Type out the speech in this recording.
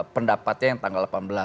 pendapatnya yang tanggal delapan belas